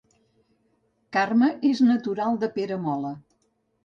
Carme és natural de Peramola